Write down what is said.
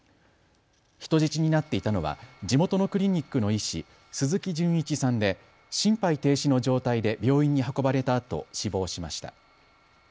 人質になっていたのは地元のクリニックの医師、鈴木純一さんで心肺停止の状態で病院に運ばれたあと死亡しました。